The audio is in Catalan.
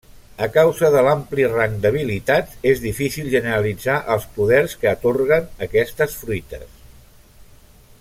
A causa de l'ampli rang d'habilitats, és difícil generalitzar els poders que atorguen aquestes fruites.